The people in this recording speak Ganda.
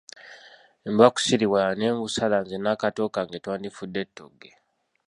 Mba kusiruwala ne ngusala nze n'akaato kange twandifudde ttogge.